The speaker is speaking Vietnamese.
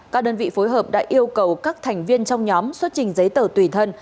các đơn vị phối hợp đã yêu cầu các thành viên trong nhóm xuất trình giấy tờ tùy thân